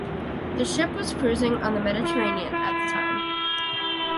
The ship was cruising on the Mediterranean at the time.